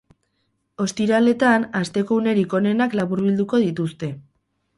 Ostiraletan asteko unerik onenak laburbilduko dituzte.